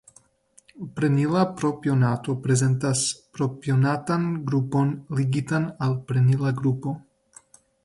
Prenila propionato prezentas propionatan grupon ligitan al prenila grupo.